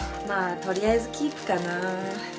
まあ取りあえずキープかな。